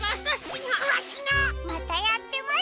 またやってます。